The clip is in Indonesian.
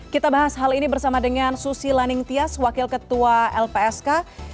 kita bahas hal ini bersama dengan susi laning tias wakil ketua lpsk